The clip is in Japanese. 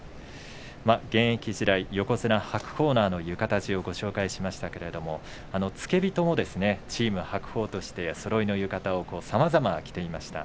現役時代、横綱白鵬の浴衣地をご紹介しましたが付け人もチーム白鵬としてそろいの浴衣をさまざま着ていました。